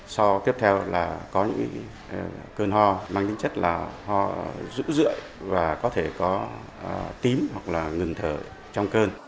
sau tiếp theo là có những cơn ho mang tính chất là ho dữa và có thể có tím hoặc là ngừng thở trong cơn